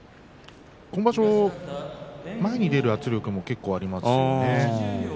今場所は前に出る圧力も結構ありますよね。